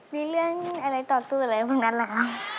มีเรื่องอะไรต่อสู้อะไรบางนั้นล่ะครับ